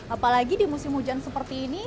apalagi di musim hujan seperti ini